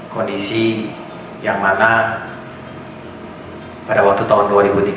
kondisi yang mana pada waktu tahun dua ribu tiga belas